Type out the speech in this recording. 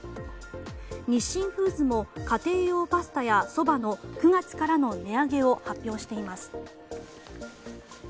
日清フーズも家庭用パスタやそばの９月からの値上げを発表しています。